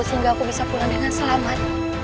sehingga aku bisa pulang dengan selamat